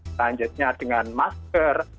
selanjutnya dengan masker